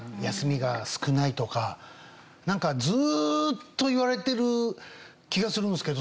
なんかずーっと言われてる気がするんですけどこの話。